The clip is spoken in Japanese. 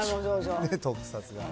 特撮が。